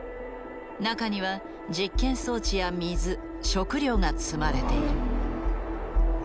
中には実験装置や水食料が積まれている。